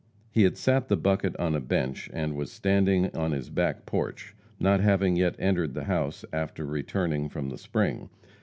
He had sat the bucket on a bench and was standing on his back porch, not having yet entered the house after returning from the spring.